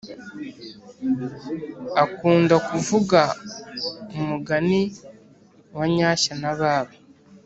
akunda kuvuga umugani wa nyashya na baba